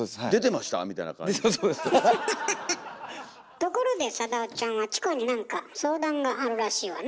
ところでサダヲちゃんはチコになんか相談があるらしいわね。